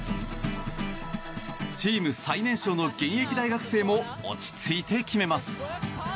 チーム最年少の現役大学生も落ち着いて決めます。